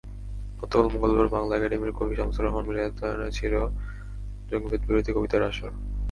গতকাল মঙ্গলবার বাংলা একাডেমির কবি শামসুর রাহমান মিলনায়তনে ছিল জঙ্গিবাদবিরোধী কবিতার আসর।